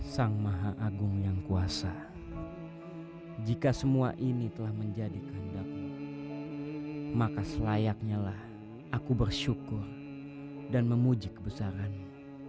sang maha agung yang kuasa jika semua ini telah menjadi kehendakmu maka selayaknyalah aku bersyukur dan memuji kebesarannya